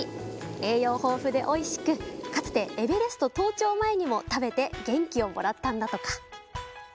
栄養豊富でおいしくかつてエベレスト登頂前にも食べて元気をもらったんだとか。